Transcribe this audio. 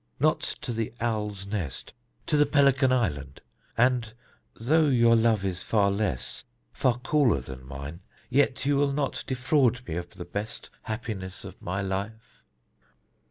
Not to the Owl's Nest: to the Pelican Island. And though your love is far less, far cooler than mine, yet you will not defraud me of the best happiness of my life?"